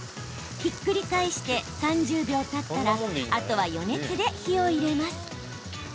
ひっくり返して３０秒たったらあとは余熱で火を入れます。